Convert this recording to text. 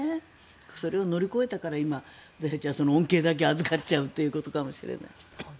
それを乗り越えたから今、恩恵だけあずかっちゃうということかもしれない。